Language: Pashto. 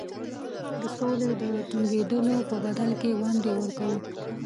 د سولي د ټینګېدلو په بدل کې ونډې ورکوو.